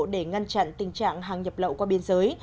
để ngăn chặn tình trạng hàng nhập lậu qua biên giới